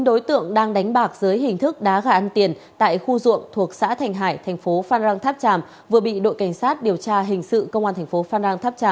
một mươi chín đối tượng đang đánh bạc dưới hình thức đá gà ăn tiền tại khu ruộng thuộc xã thành hải thành phố phan răng tháp tràm vừa bị đội cảnh sát điều tra hình sự công an thành phố phan răng tháp tràm